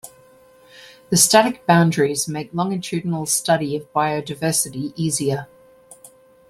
The static boundaries make longitudinal study of biodiversity easier.